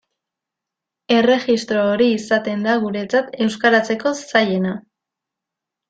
Erregistro hori izaten da guretzat euskaratzeko zailena.